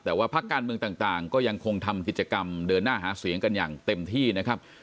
แต่ว่าพักการเมืองต่างก็ยังคงทำกิจกรรมเดินหน้าหาเสียงกันอย่างเต็มที่นะครับ